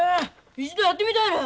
一度やってみたいな。